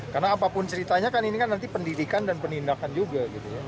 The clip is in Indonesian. karena apapun ceritanya kan ini kan nanti pendidikan dan penindakan juga